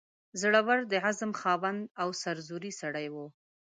زړه ور، د عزم خاوند او سرزوری سړی وو.